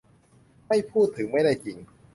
ไม่พูดถึงไม่ได้จริง